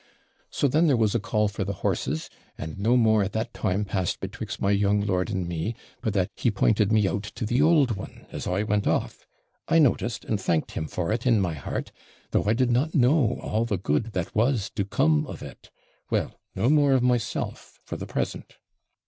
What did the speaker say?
So then there was a call for the horses; and no more at that time passed betwix' my young lord and me, but that he pointed me out to the OULD one, as I went off. I noticed and thanked him for it in my heart, though I did not know all the good was to come of it. Well, no more of myself, for the present.